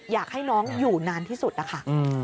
อยากให้น้องอยู่นานที่สุดนะคะ